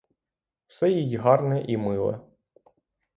Все їй гарне і миле.